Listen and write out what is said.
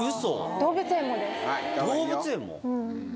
動物園も？